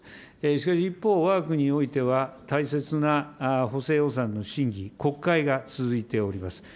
しかし一方、わが国においては、大切な補正予算の審議、国会が続いております。